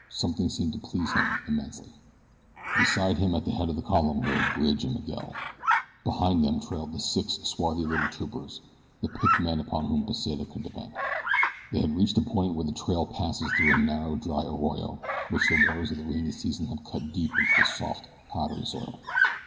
Something seemed to please him immensely. Beside him at the head of the column rode Bridge and Miguel. Behind them trailed the six swarthy little troopers the picked men upon whom Pesita could depend. They had reached a point where the trail passes through a narrow dry arroyo which the waters of the rainy season had cut deep into the soft, powdery soil.